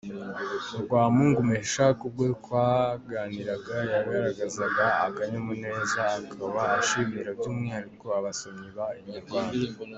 Rwamungu Meshak ubwo twaganiraga yagaragaza akanyamuneza , akaba ashimira by’umwihariko abasomyi ba inyarwanda.